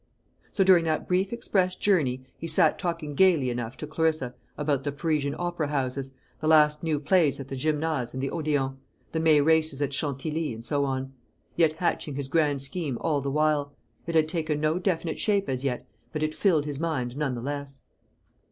So, during that brief express journey, he sat talking gaily enough to Clarissa about the Parisian opera houses, the last new plays at the Gymnase and the Odéon, the May races at Chantilly, and so on; yet hatching his grand scheme all the while. It had taken no definite shape as yet, but it filled his mind none the less.